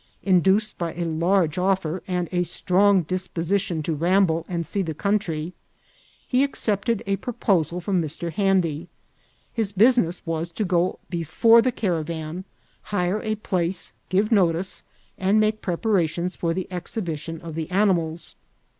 Induced by a large offer and a strong disposition to ramble and see the country, he accepted a proposal from Mr. Handy. His business was to go on before the caravan, hire a place, give notice, and make preparations for the exhi bition of the animals.